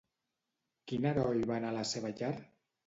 Quin heroi va anar a la seva llar?